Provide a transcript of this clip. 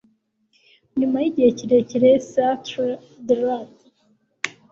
Nyuma yigihe kirekire sultry drouth